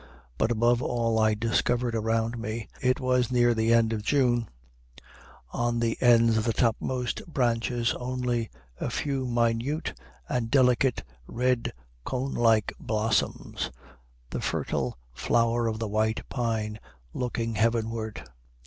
But, above all, I discovered around me, it was near the end of June, on the ends of the topmost branches only, a few minute and delicate red cone like blossoms, the fertile flower of the white pine looking heavenward.